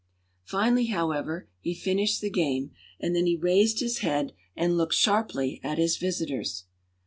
Finally, however, he finished the game, and then he raised his head and looked sharply at his visitors.